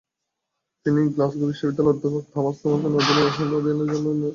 তিনি গ্লাসগো বিশ্ববিদ্যালয়ে অধ্যাপক থমাস থমসনের অধীনে রসায়ন অধ্যয়নের জন্য যান।